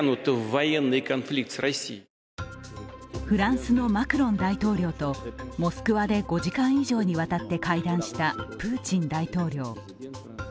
フランスのマクロン大統領とモスクワで５時間以上にわたって会談したプーチン大統領。